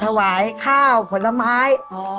ถวายข้าวผลไม้